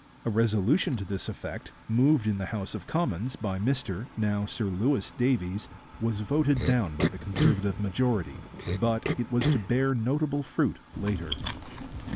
A resolution to this effect, moved in the House of Commons by Mr, now Sir Louis, Davies, was voted down by the Conservative majority, but it was to bear notable fruit later.